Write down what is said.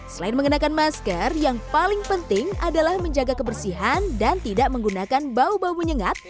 selain mengenakan masker yang paling penting adalah menjaga kebersihan dan tidak menggunakan bau bau menyengat